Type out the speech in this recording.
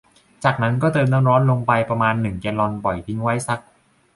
จากนั้นก็เติมน้ำร้อนตามลงไปประมาณ หนึ่ง แกลลอน ปล่อยทิ้งไว้สัก